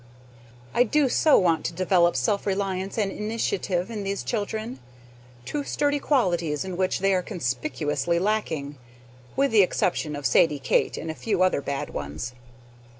I do so want to develop self reliance and initiative in these children, two sturdy qualities in which they are conspicuously lacking (with the exception of Sadie Kate and a few other bad ones).